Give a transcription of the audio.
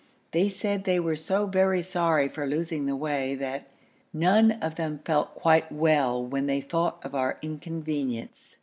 They said they were so very sorry for losing the way that 'none of them felt quite well when they thought of our inconvenience.'